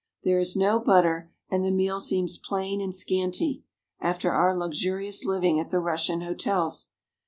There is no butter, and the meal seems plain and scanty, after our luxurious liv ing at the Russian hotels.